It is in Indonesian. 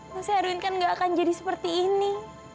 maksudnya erwin kan gak akan jadi seperti ini